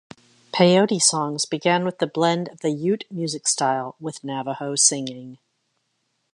Peyote songs began with the blend of the Ute music style with Navajo singing.